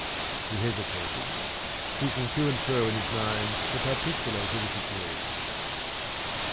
He hesitated, seeking to and fro in his mind for particulars of the situation.